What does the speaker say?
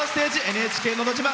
「ＮＨＫのど自慢」。